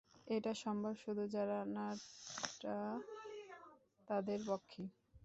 এটা সম্ভব শুধু যারা ন্যাটা তাদের পক্ষেই।